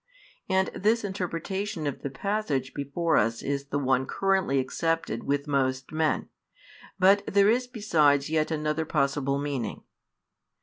And this interpretation of the passage before us is the one currently accepted with most men: but there is besides yet another possible meaning.